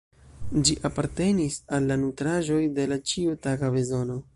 Ĝi apartenis al la nutraĵoj de la ĉiutaga bezono.